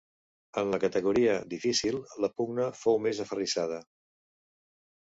En la categoria "difícil" la pugna fou més aferrissada.